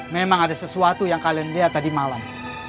memang ada sesuatu yang kalian lihat tadi malam